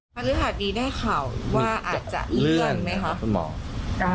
ความรู้สึกดีได้ข่าวว่าอาจจะเลื่อนไหมคะ